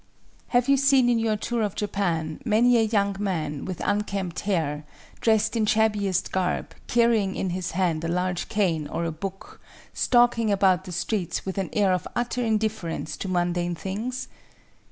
Have you seen in your tour of Japan many a young man with unkempt hair, dressed in shabbiest garb, carrying in his hand a large cane or a book, stalking about the streets with an air of utter indifference to mundane things?